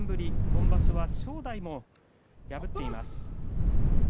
今場所は正代も破っています。